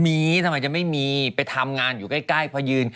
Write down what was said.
มีทำไมจะไม่มีไปทำงานอยู่ใกล้พอยืน